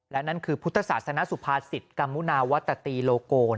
และนั่นคือพุทธศาสนสุภาษิตกัมมุนาวัตตีโลโก